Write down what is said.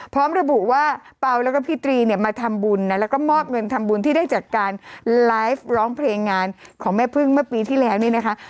พร้อมระบุว่าเปล่าแล้วก็พี่ตรีเนี่ยมาทำบุญนะแล้วก็มอบเงินทำบุญที่ได้จากการไลฟ์ร้องเพลงงานของแม่พึ่งเมื่อปีที่แล้วนี่นะคะ